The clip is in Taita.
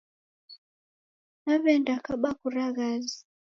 Nawe'nda kaba kura ghazi